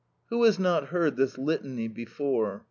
Who has not heard this litany before?